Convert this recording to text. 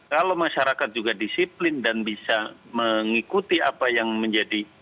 kalau masyarakat juga disiplin dan bisa mengikuti apa yang menjadi